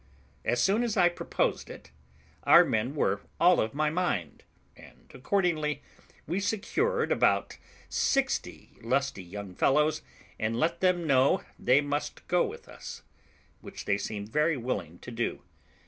As soon as I proposed it, our men were all of my mind; and accordingly we secured about sixty lusty young fellows, and let them know they must go with us; which they seemed very willing to do.